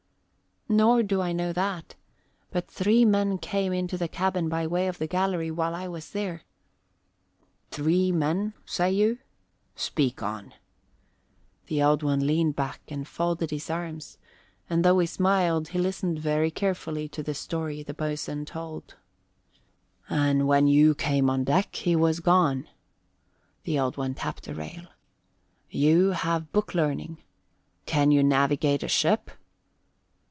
"Nor do I know that. But three men came into the cabin by way of the gallery while I was there " "Three men, say you? Speak on." The Old One leaned back and folded his arms, and though he smiled, he listened very carefully to the story the boatswain told. "And when you came on deck he was gone." The Old One tapped the rail. "You have booklearning. Can you navigate a ship?"